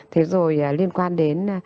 thế rồi liên quan đến